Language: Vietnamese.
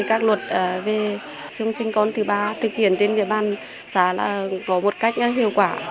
các luật về sinh con thứ ba thực hiện trên địa bàn xã là có một cách hiệu quả